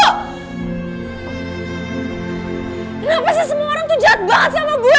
kenapa sih semua orang tuh jahat banget sama gue